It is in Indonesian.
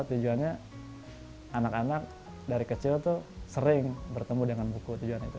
tujuannya anak anak dari kecil tuh sering bertemu dengan buku tujuan itu